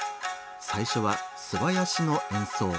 最初は素囃子の演奏。